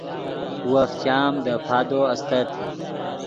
وف چام دے پادو استت